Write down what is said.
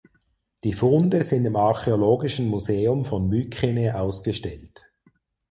Die Funde sind im Archäologischen Museum von Mykene ausgestellt.